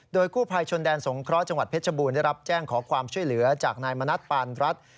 โดยกู้ภัยชนแดนสงเคราะห์จังหวัดเพชรบูรได้รับแจ้งขอความช่วยเหลือจากนายมณัฐปานรัฐ